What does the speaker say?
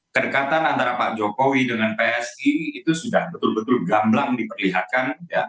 kedekatan antara pak jokowi dengan psi itu sudah betul betul gamblang diperlihatkan